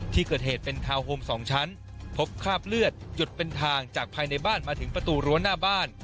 ที่เกิดเหตุเป็นทาวน์โฮม๒ชั้นพบคราบเลือดจุดเป็นทางจากภายในบ้านมาถึงประตูรั้วหน้าบ้าน